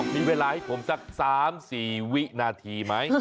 มีเวลาให้ผมสัก๓๔วินาทีไหม